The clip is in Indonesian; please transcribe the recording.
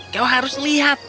kau harus lihat